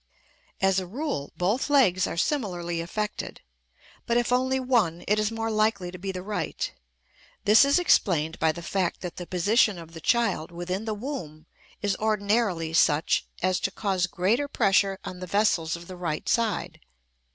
As a rule, both legs are similarly affected, but if only one, it is more likely to be the right. This is explained by the fact that the position of the child within the womb is ordinarily such as to cause greater pressure on the vessels of the right side.